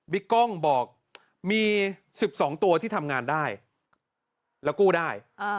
กล้องบอกมี๑๒ตัวที่ทำงานได้แล้วกู้ได้